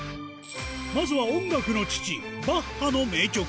まずは音楽の父、バッハの名曲。